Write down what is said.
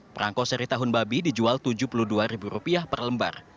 perangko seri tahun babi dijual rp tujuh puluh dua per lembar